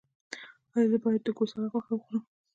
ایا زه باید د ګوساله غوښه وخورم؟